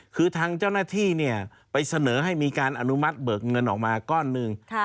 คือทางเจ้าหน้าที่ไปเสนอให้มีการอนุมัติเบิกเงินออกมาก้อนหนึ่ง